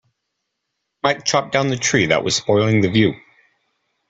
Mike chopped down the tree that was spoiling the view